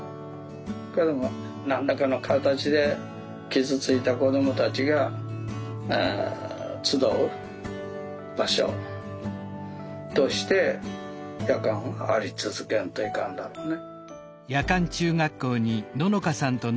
けども何らかの形で傷ついた子どもたちが集う場所として夜間はあり続けんといかんだろうね。